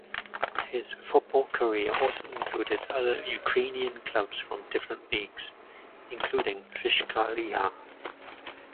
His football career also included other Ukrainian clubs from different leagues (including Vyshcha Liha).